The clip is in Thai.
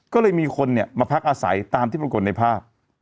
ก็เลยมีคนเนี่ยมาพักอาศัยตามที่ปรากฏในภาพ